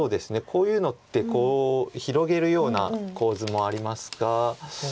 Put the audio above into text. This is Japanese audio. こういうのってこう広げるような構図もありますが。